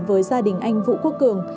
với gia đình anh vũ quốc cường